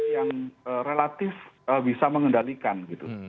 yang relatif bisa mengendalikan gitu